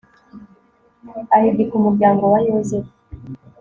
ahigika umuryango wa yozefu